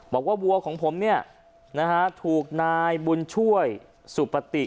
วัวของผมเนี่ยนะฮะถูกนายบุญช่วยสุปติ